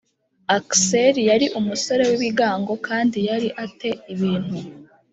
Aksel yari umusore w ibigango kandi yari a te ibintu